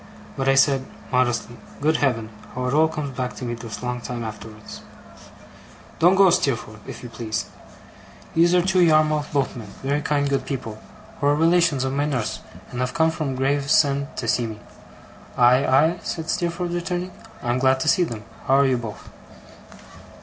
But I said, modestly Good Heaven, how it all comes back to me this long time afterwards ! 'Don't go, Steerforth, if you please. These are two Yarmouth boatmen very kind, good people who are relations of my nurse, and have come from Gravesend to see me.' 'Aye, aye?' said Steerforth, returning. 'I am glad to see them. How are you both?